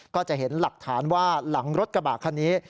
ก็จะเห็นหลักฐานว่าหลังรถกระบะคันนี้